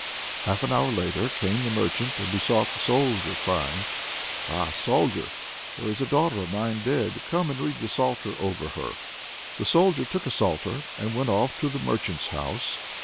Half an hour later came the merchant, and besought the Soldier, crying: "Ah, Soldier! there's a daughter of mine dead; come and read the psalter over her." The Soldier took a psalter and went off to the merchant's house.